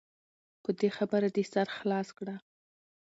په دې خبره دې سر خلاص کړه .